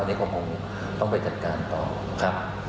อันนี้ก็คงต้องไปจัดการต่อครับ